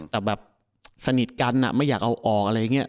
แต่แบบสนิทกันไม่อยากเอาออกอะไรอย่างนี้